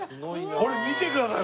これ見てください！